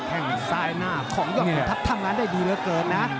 แค่งซ้ายหน้าของยอดเพชรทัพท่างนั้นได้ดีเหลือเกินนะ